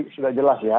sudah jelas ya